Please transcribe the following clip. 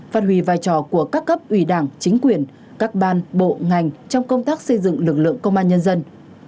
phát huy vai trò của các cấp ủy đảng chính quyền các ban bộ ngành trong công tác xây dựng lực lượng công an nhân dân